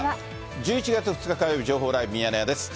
１１月２日火曜日、情報ライブミヤネ屋です。